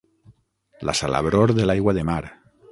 La salabror de l'aigua de mar.